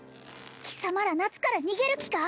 貴様ら夏から逃げる気か